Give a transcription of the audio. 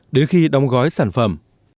đến khi đóng gói sản phẩm